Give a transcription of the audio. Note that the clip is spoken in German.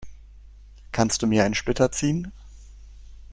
Kannst du mir einen Splitter ziehen?